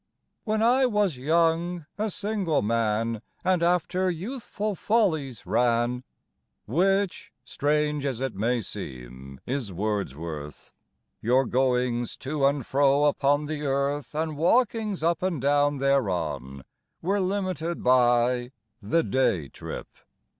"When I was young, a single man, And after youthful follies ran" (Which, strange as it may seem, is Wordsworth) Your goings to and fro upon the earth, And walkings up and down thereon, Were limited by the day trip.